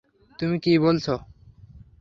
তুমি কি বলেছ?